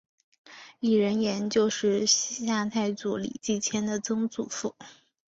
李仁颜就是西夏太祖李继迁的曾祖父。